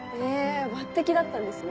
抜てきだったんですね。